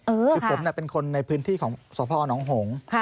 คือผมเป็นคนในพื้นที่ของสพนหงษ์